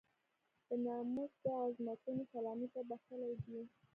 د ناموس د عظمتونو سلامي ته بخښلی دی.